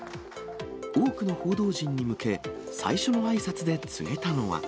多くの報道陣に向け、最初のあいさつで告げたのは。